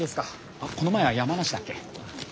あっこの前は山梨だっけ？